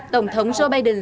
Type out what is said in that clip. tổng thống joe biden